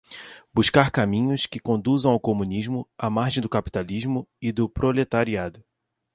buscar caminhos que conduzam ao comunismo à margem do capitalismo e do proletariado